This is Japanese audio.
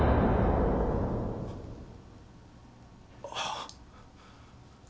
ああ。